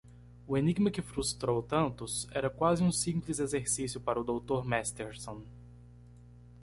O enigma que frustrou tantos era quase um simples exercício para o dr. Masterson.